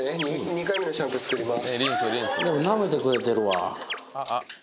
２回目のシャンプー作ります。